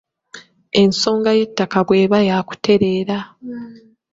Ensonga y’ettaka bw’eba ya kutereera